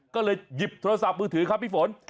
ก็เลยหยิบโทรศัพท์มือถือครับพี่ฝน